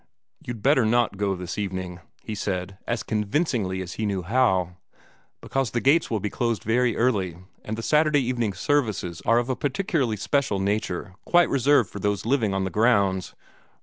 "You'd better not go this evening," he said, as convincingly as he knew how; "because the gates will be closed very early, and the Saturday evening services are of a particularly special nature, quite reserved for those living on the grounds."